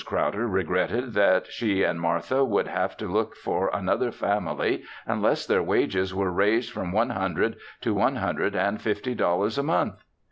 Crowder regretted that she and Martha would have to look for another family unless their wages were raised from one hundred to one hundred and fifty dollars a month.